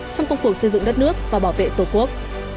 trong công cuộc xây dựng đất nước và bảo vệ tổ quốc